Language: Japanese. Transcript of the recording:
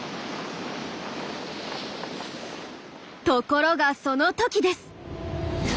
ところがその時です。